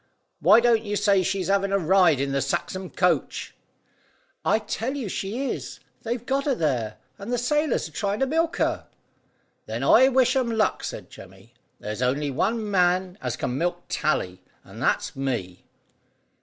"Why don't you say she's having a ride in the Saxham coach." "I tell you she is. They've got her there, and the sailors are trying to milk her." "Then I wish 'em luck," said Jemmy. "There's only one man as can milk Tally, and that's me."